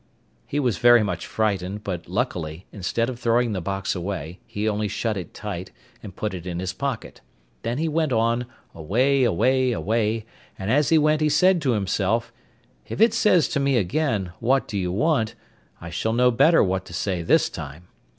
He was very much frightened, but, luckily, instead of throwing the box away, he only shut it tight, and put it in his pocket. Then he went on, away, away, away, and as he went he said to himself, 'If it says to me again "What do you want?" I shall know better what to say this time.